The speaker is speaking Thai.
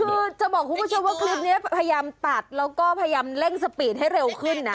คือจะบอกคุณผู้ชมว่าคลิปนี้พยายามตัดแล้วก็พยายามเร่งสปีดให้เร็วขึ้นนะ